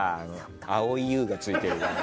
蒼井優がついてる。